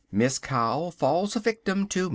MISS COW FALLS A VICTIM TO MR.